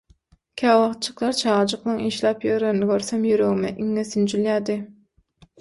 Käwagtjyklar çagajyklaň işläp ýörenini görsem ýüregime iňňe sünjülýärdi.